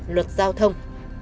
luật giao thông